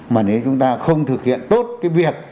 mà nếu chúng ta không thực hiện tốt cái việc